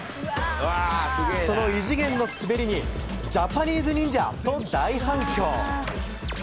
その異次元の滑りにジャパニーズニンジャ！と大反響。